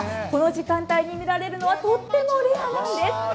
この時間帯に見られるのはとってもレアなんです。